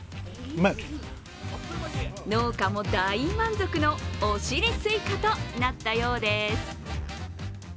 農家も大満足のおしりスイカとなったようです。